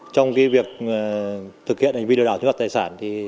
trong việc thực hiện video đảo chứng phạt tài sản